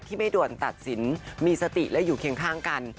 ไม่ด่วนตัดสินมีสติและอยู่เคียงข้างกัน